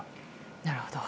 なるほど。